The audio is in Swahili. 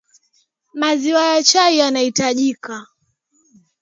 maziwa ya chai yanahitajika